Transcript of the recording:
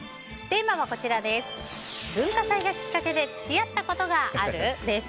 テーマは文化祭がきっかけで付き合ったことがある？です。